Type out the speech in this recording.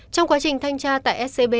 trong quá trình thanh tra tại scb